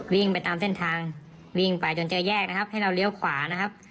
วิ่งไปตามเส้นทางวิ่งไปจนจะแยกนะครับให้เราเลี้ยวขวานะครับ